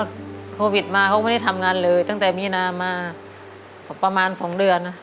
โควิดมาเขาก็ไม่ได้ทำงานเลยตั้งแต่มีนามาประมาณ๒เดือนนะ